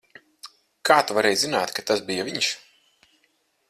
Kā tu varēji zināt, ka tas bija viņš?